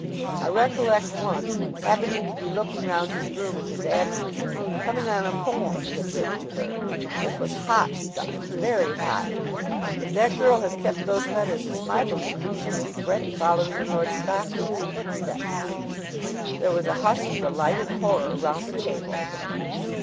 I recollect once, happening to be looking round his room in his absence, coming on a poem he had written to her. It was hot stuff very hot! If that girl has kept those letters it's my belief we shall see Freddie following in Lord Stockheath's footsteps." There was a hush of delighted horror round the table.